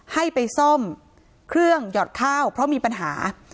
ให้ไปซ่อมเครื่องหยอดข้าวเพราะมีปัญหา